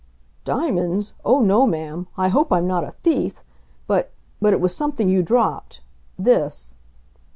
"Diamonds! Oh, no, ma'am. I hope I'm not a thief. But but it was something you dropped this."